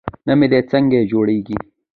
نمدې څنګه جوړیږي؟